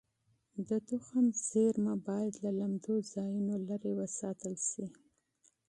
د تخم زېرمه باید له لمدو ځایونو لرې وساتل شي.